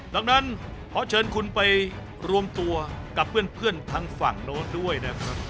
ดังนั้นขอเชิญคุณไปรวมตัวกับเพื่อนทางฝั่งโน้นด้วยนะครับ